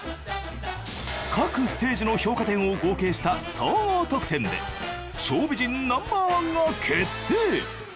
各ステージの評価点を合計した総合得点で腸美人Ｎｏ．１が決定。